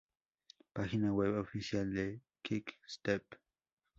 Página web oficial de Quick Step